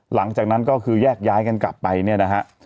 หลังจากนั้นก็คือแยกย้ายกันกลับไปเนี่ยนะฮะ